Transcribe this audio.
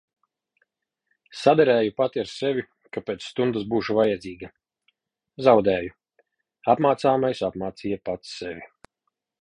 Saderēju pati ar sevi, ka pēc stundas būšu vajadzīga. Zaudēju. Apmācāmais apmācīja pats sevi.